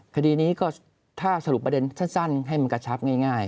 คดีนี้ก็ถ้าสรุปประเด็นสั้นให้มันกระชับง่าย